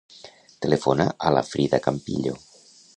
Telefona a la Frida Campillo.